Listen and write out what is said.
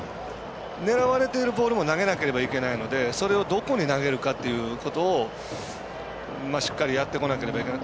狙われているボールも投げなければいけないのでそれをどこに投げるかをしっかりやってこなければいけない。